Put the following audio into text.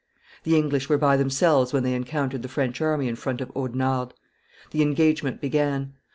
The English were by themselves when they encountered the French army in front of Audernarde. The engagement began.